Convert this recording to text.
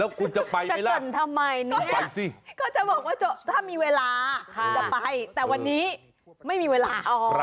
คุณจะไปไหมล่ะก็จะบอกว่าถ้ามีเวลาคุณจะไปแต่วันนี้ไม่มีเวลา